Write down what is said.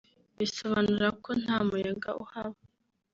bisobanura ko ntamuyaga uhaba